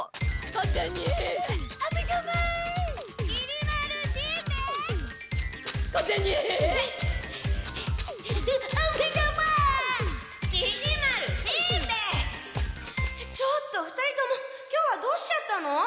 ちょっと２人とも今日はどうしちゃったの？